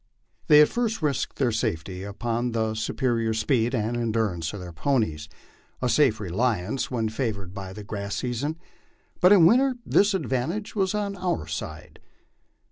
They had first risked their safety upon the superior speed and endurance of their ponies a safe reliance when favored by the grass season, but in winter this advantage was on our side.